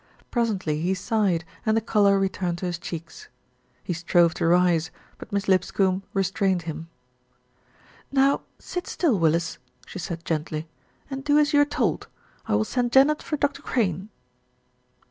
Presently he sighed and the colour returned to his cheeks. He strove to rise; but Miss Lipscombe restrained him. "Now, sit still, Willis," she said gently, "and do as you are told. I will send Janet for Dr. Crane."